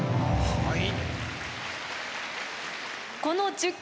はい。